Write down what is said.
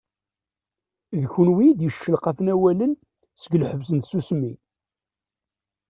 D kunwi i d-yeccelqafen awalen seg lḥebs n tsusmi.